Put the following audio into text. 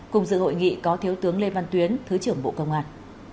cùng dự hội nghị có thiếu tướng lê văn tuyến thứ trưởng bộ công an